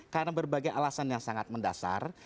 karena berbagai alasan yang sangat mendasar